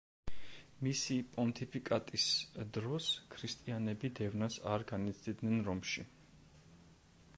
მისი პონტიფიკატის დროს ქრისტიანები დევნას არ განიცდიდნენ რომში.